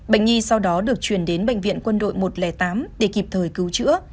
bệnh nhi sau đó được chuyển đến bệnh viện quân đội một trăm linh tám để kịp thời cứu chữa